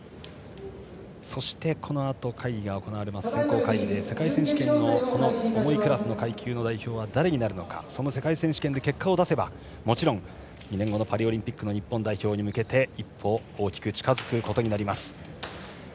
そして、このあと会議が行われます選考会議で世界選手権の重いクラスの階級の代表は誰になるのかその世界選手権で結果を出せばもちろん２年後のパリオリンピックの日本代表に向けて一歩大きく近づくことになります。